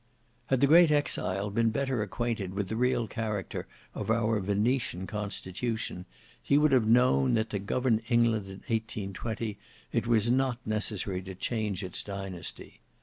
Had the great exile been better acquainted with the real character of our Venetian constitution, he would have known that to govern England in 1820, it was not necessary to change its dynasty.